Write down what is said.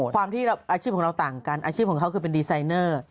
ความที่อาชีพของเราต่างกันอาชีพของเขาคือเป็นดีไซเนอร์